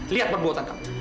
lihat perbuatan kamu